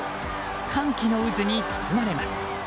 歓喜の渦に包まれます。